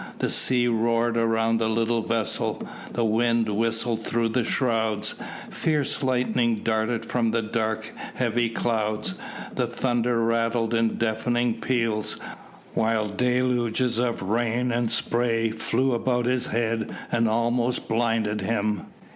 The sea roared around the little vessel, the wind whistled through the shrouds, fierce lightnings darted from the dark heavy clouds, the thunder rattled in deafening peals, while deluges of rain and spray flew about his head and almost blinded him.